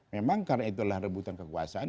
memang karena itulah rebutan kekuasaan